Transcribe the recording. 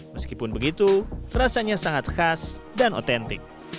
meskipun begitu rasanya sangat khas dan otentik